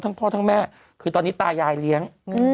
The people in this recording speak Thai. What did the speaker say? พ่อทั้งแม่คือตอนนี้ตายายเลี้ยง